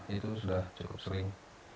itu sudah cukup sering